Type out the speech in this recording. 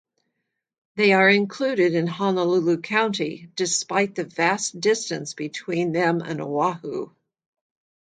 They are included in Honolulu County, despite the vast distance between them and Oahu.